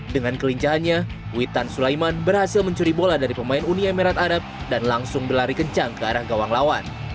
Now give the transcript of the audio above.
dengan kelincahannya witan sulaiman berhasil mencuri bola dari pemain uni emirat arab dan langsung berlari kencang ke arah gawang lawan